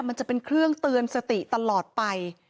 มันจะเป็นเครื่องเตือนสติตลอดไป